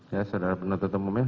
ya saudara penuntut umum ya